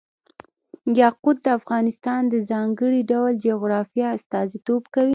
یاقوت د افغانستان د ځانګړي ډول جغرافیه استازیتوب کوي.